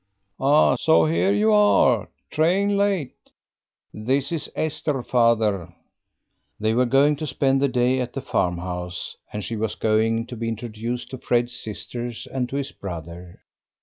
"Ah, so here you are. Train late." "This is Esther, father." They were going to spend the day at the farm house, and she was going to be introduced to Fred's sisters and to his brother.